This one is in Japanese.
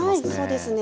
そうですね